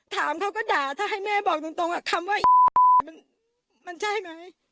ถามเขาก็ด่าถ้าให้แม่บอกตรงคำว่ามันใช่ไหม